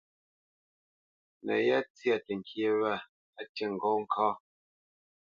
No yá tsya təŋkyé wa tə á ti ŋgó ŋká.